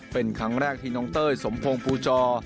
เป็นครั้งแรกที่น้องเต้ยสมพงศ์ภูจอ